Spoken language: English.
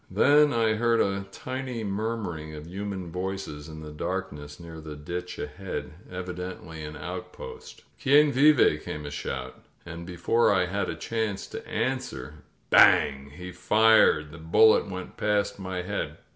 Then I heard a tiny murmuring of himian voices in S48 A NIGHT ATTACK the, darkness near the iditch ahead — evidently an out post. Quien viveV* came a shout. And before I had a chance to answer, BANG ! He fired. The bullet went past my head.